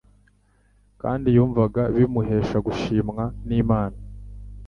kandi yumvaga bimuhesha gushimwa n’Imana.